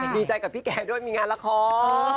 ดีใจกับพี่แกด้วยมีงานละคร